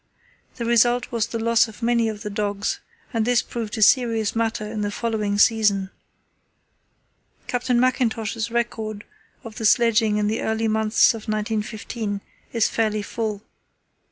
The result was the loss of many of the dogs, and this proved a serious matter in the following season. Captain Mackintosh's record of the sledging in the early months of 1915 is fairly full.